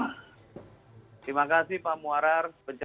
terima kasih pak muarar